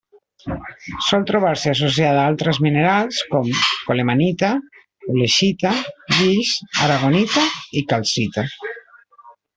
Sol trobar-se associada a altres minerals com: colemanita, ulexita, guix, aragonita i calcita.